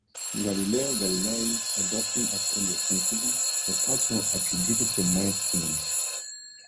Galileo Galilei's adoption of heliocentrism was also attributed to Maestlin.